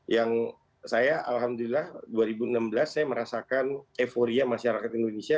yang saya alhamdulillah dua ribu enam belas saya merasakan euforia masyarakat indonesia